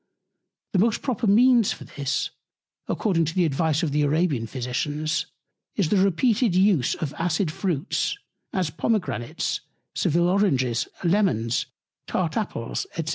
The most proper Means for this, according to the Advice of the Arabian Physicians, is the repeated Use of acid Fruits, as Pomegranates, Sevil Oranges, Lemons, tart Apples, &c.